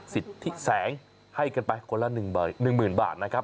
สิทธิแสงให้กันไปคนละ๑๐๐๐บาทนะครับ